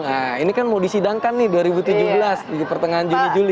nah ini kan mau disidangkan nih dua ribu tujuh belas di pertengahan juli juli